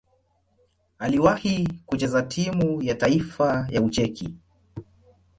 Aliwahi kucheza timu ya taifa ya Ucheki.